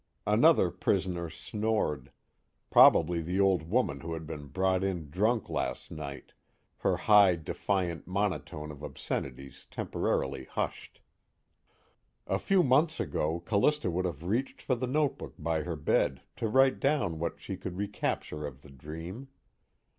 Another prisoner snored, probably the old woman who had been brought in drunk last night, her high defiant monotone of obscenities temporarily hushed. A few months ago Callista would have reached for the notebook by her bed to write down what she could recapture of the dream.